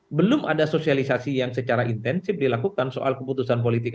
saya kira belum ada sosialisasi yang secara intensif dilakukan soal keputusan politiknya